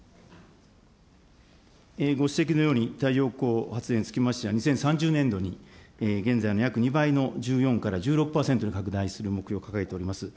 ご指摘のように、太陽光発電につきましては、２０３０年度に、現在の約２倍の１４から１６％に拡大する目標を掲げております。